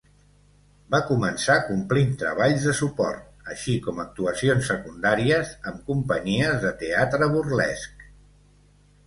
Va començar complint treballs de suport, així com actuacions secundàries amb companyies de teatre burlesc.